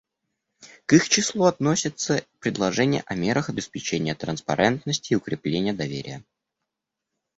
К их числу относится предложение о мерах обеспечения транспарентности и укрепления доверия.